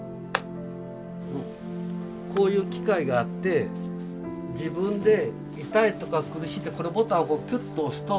こういう機械があって自分で痛いとか苦しい時にこれボタンをキュッと押すと。